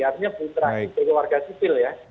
hanya putra keluarga sipil ya